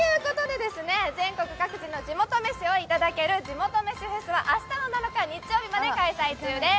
全国各地の地元飯をいただける地元飯フェスは明日の７日日曜日まで開催中です。